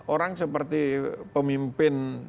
orang seperti pemimpin